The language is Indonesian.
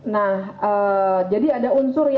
nah jadi ada unsur yang pentingnya